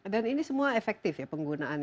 dan ini semua efektif ya penggunaannya